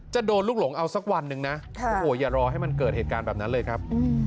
จะโดนลูกหลงเอาสักวันหนึ่งนะโอ้โหอย่ารอให้มันเกิดเหตุการณ์แบบนั้นเลยครับ